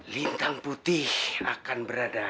lintang putih akan berada